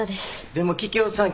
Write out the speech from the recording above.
でも桔梗さん